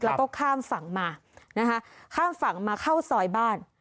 แล้วก็ข้ามฝั่งมานะคะข้ามฝั่งมาเข้าซอยบ้าน